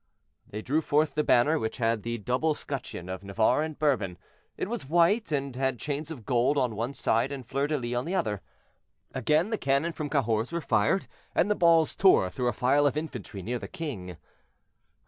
They drew forth the banner, which had the double scutcheon of Navarre and Bourbon; it was white, and had chains of gold on one side, and fleur de lis on the other. Again the cannon from Cahors were fired, and the balls tore through a file of infantry near the king.